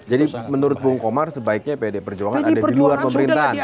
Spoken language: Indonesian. jadi menurut bung komar sebaiknya pdi perjuangan ada di luar pemerintahan